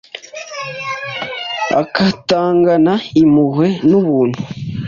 akagatangana impuhwe n'ubuntu.